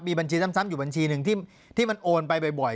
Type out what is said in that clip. บัญชีซ้ำอยู่บัญชีหนึ่งที่มันโอนไปบ่อย